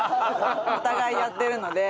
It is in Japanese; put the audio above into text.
お互いやってるので。